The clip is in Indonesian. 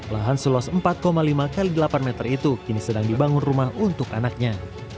lahan seluas empat lima x delapan meter itu kini sedang dibangun rumah untuk anaknya